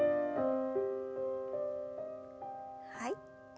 はい。